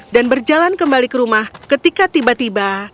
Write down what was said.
dan berjalan kembali ke rumah ketika tiba tiba